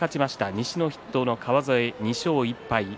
西の筆頭の川副は２勝１敗